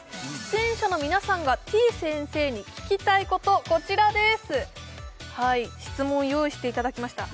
出演者の皆さんがてぃ先生に聞きたいことこちらです質問用意していただきました